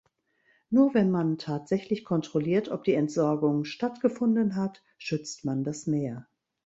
Nur wenn man tatsächlich kontrolliert, ob die Entsorgung stattgefunden hat, schützt man das Meer.